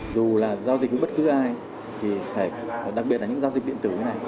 dù là giao dịch của bất cứ ai đặc biệt là những giao dịch điện tử này